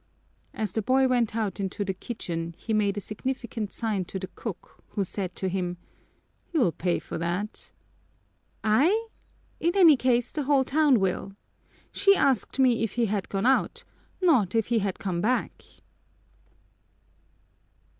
As the boy went out into the kitchen he made a significant sign to the cook, who said to him, "You'll pay for that." "I? In any case the whole town will! She asked me if he had gone out, not if he had come back!"